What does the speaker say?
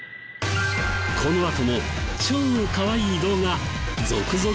このあとも超かわいい動画続々！